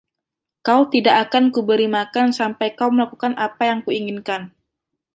Kau tidak akan kuberi makan sampai kau melakukan apa yang kuinginkan.